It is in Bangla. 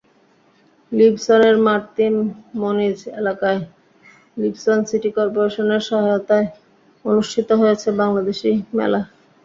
লিসবনের মার্তিম মনিজ এলাকায় লিসবন সিটি করপোরেশনের সহায়তায় অনুষ্ঠিত হয়েছে বাংলাদেশি মেলা।